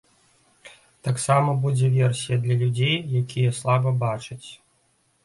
Таксама будзе версія для людзей, якія слаба бачаць.